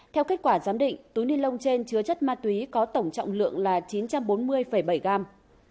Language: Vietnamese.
theo kết quả giám định túi ni lông trên chứa chất ma túy có tổng trọng lượng là chín trăm bốn mươi bảy gram